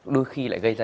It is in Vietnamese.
đôi khi lại gây ra